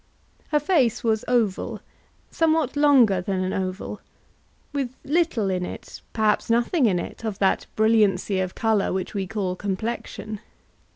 Her face was oval, somewhat longer than an oval, with little in it, perhaps nothing in it, of that brilliancy of colour which we call complexion.